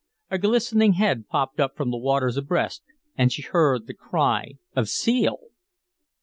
A glistening head popped up from the waters abreast, and she heard the cry of "seal!"